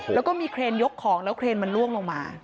แล้วก็มีเครนยกของแล้วเครนมันล่วงลงมา